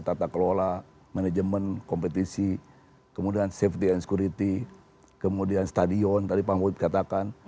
tata kelola manajemen kompetisi kemudian safety and security kemudian stadion tadi pak ngud katakan